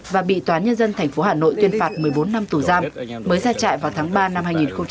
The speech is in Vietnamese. và bị toán nhân dân tp hà nội tuyên phạt một mươi bốn năm tù giam mới ra trại vào tháng ba năm hai nghìn hai mươi